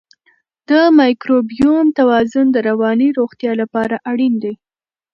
د مایکروبیوم توازن د رواني روغتیا لپاره اړین دی.